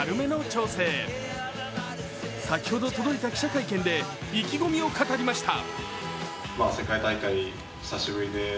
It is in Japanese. そして、先ほど届いた記者会見で意気込みを語りました。